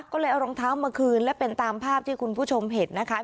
ก็เลยเอารองเท้ามาคืนและเป็นตามภาพที่คุณผู้ชมเห็นนะคะ